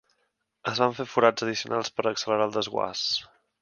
Es van fer forats addicionals per a accelerar el desguàs.